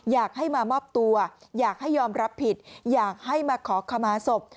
อยากให้มามอบตัวอยากให้ยอมรับผิดอยากให้มาขอขมาศพ